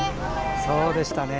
そうでしたね。